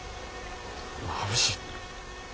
まぶしい。